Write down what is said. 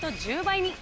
１０倍に。